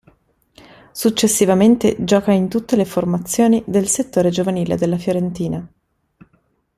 Successivamente gioca in tutte le formazioni del settore giovanile della Fiorentina.